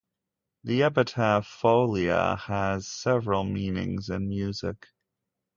The epithet "Folia" has several meanings in music.